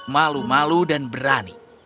malu malu dan berani